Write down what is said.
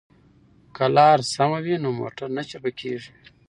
که لار سمه وي نو موټر نه چپه کیږي.